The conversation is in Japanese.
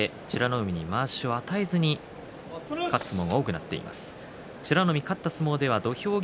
海にまわしを与えずに勝つ相撲が多くなっています。